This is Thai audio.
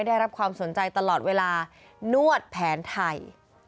ได้รับความสนใจตลอดเวลานวดแผนไทย